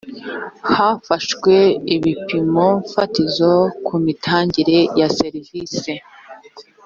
hafashwe ibipimo fatizo ku mitangire ya serivisi .